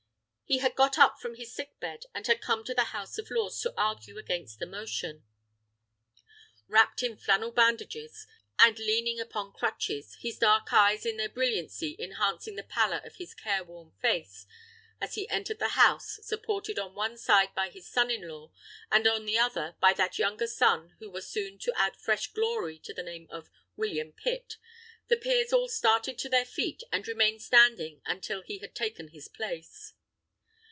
He had got up from his sick bed, and had come into the House of Lords to argue against the motion. Wrapped in flannel bandages, and leaning upon crutches, his dark eyes in their brilliancy enhancing the pallor of his careworn face, as he entered the House, supported on the one side by his son in law, and on the other by that younger son who was so soon to add fresh glory to the name of William Pitt, the peers all started to their feet, and remained standing until he had taken his place.